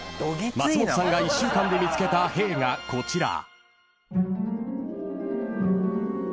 ［松本さんが１週間で見つけたへぇーがこちら］